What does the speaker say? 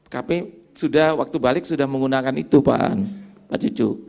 kami sudah waktu balik sudah menggunakan itu pak an pak cucu